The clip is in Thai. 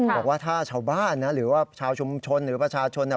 บอกว่าถ้าชาวบ้านหรือว่าชาวชุมชนหรือว่าประชาชน